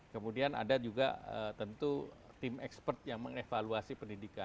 kemudian ada juga tentu tim expert yang mengevaluasi pendidikan